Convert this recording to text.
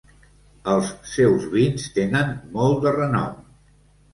Els seus vins tenen molt de renom.